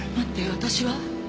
私は？